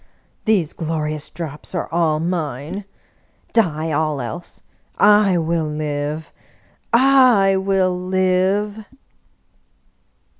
These glorious drops are all mine! Die all else! I will live, I will live